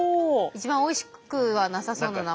一番おいしくはなさそうな名前。